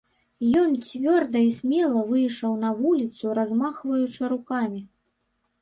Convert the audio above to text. Ён цвёрда і смела выйшаў на вуліцу, размахваючы рукамі.